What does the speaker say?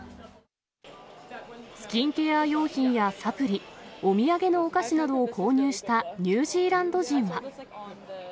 スキンケア用品やサプリ、お土産のお菓子などを購入したニュージーランド人は。